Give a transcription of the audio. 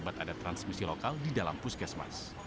transmisi lokal di dalam puskesmas